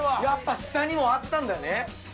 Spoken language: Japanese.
やっぱ下にもあったんだね。